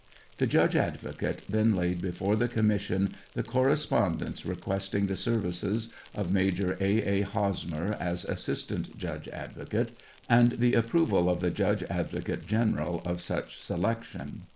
The judge advocate then laid before the commission the correspondence re questing the services of Major A. A. Hosmer as assistant judge advocate, and the approval of the Judge Advocate General of such selection.